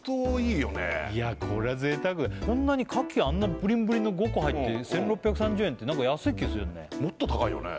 いやこれは贅沢こんなにかきあんなプリンプリンの５個入って１６３０円ってなんか安い気するよね